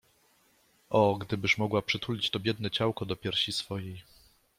O, gdybyż mogła przytulić to biedne ciałko do piersi swojej!